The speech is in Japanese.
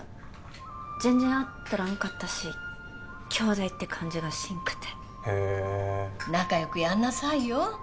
全然会っとらんかったし兄妹って感じがしんくてへ仲良くやんなさいよ